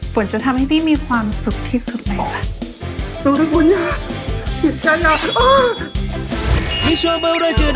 ฝนจะทำให้พี่มีความสุขที่สุดเลยค่ะ